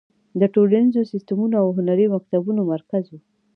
د ټولنیزو سیستمونو او هنري مکتبونو مرکز و.